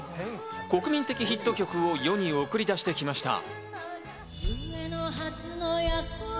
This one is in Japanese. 国民的ヒット曲を世に送り出してきました。